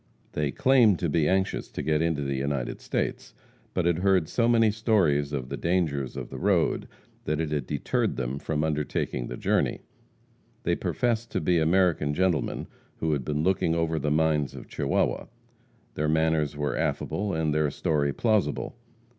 They claimed to be anxious to get into the United States, but had heard so many stories of the dangers of the road that it had deterred them from undertaking the journey. They professed to be American gentlemen who had been looking over the mines of Chihuahua. Their manners were affable, and their story plausible.